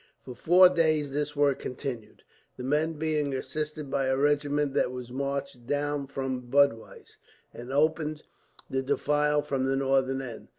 For four days this work continued, the men being assisted by a regiment that was marched down from Budweis, and opened the defile from the northern end.